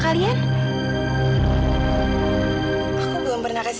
tapi perasaan aku kami lagi johnson dan johnson